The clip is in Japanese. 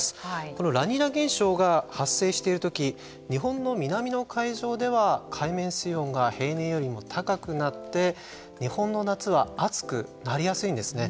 このラニーニャ現象が発生しているとき日本の南の海上では海面水温が平年よりも高くなって日本の夏は暑くなりやすいんですね。